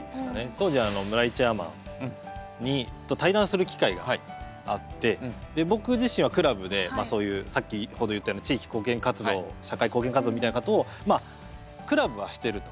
当時村井チェアマンと対談する機会があって僕自身はクラブでそういう先ほど言ったように地域貢献活動社会貢献活動みたいなことをまあクラブはしてると。